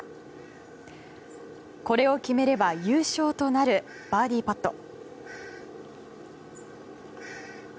これを決めれば優勝となるバーディーパット。